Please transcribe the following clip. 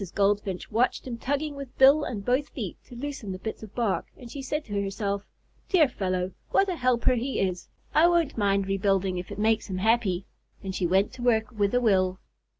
Goldfinch watched him tugging with bill and both feet to loosen the bits of bark, and she said to herself: "Dear fellow! what a helper he is! I won't mind rebuilding if it makes him happy," and she went to work with a will.